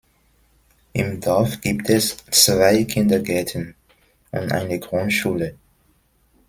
Im Dorf gibt es zwei Kindergärten und eine Grundschule.